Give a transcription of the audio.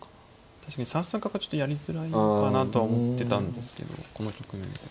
確かに３三角はちょっとやりづらいかなとは思ってたんですけどこの局面で。